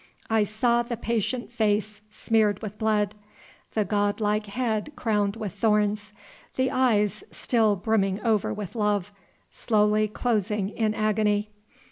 I saw the patient face smeared with blood, the God like head crowned with thorns, the eyes still brimming over with love slowly closing in agony.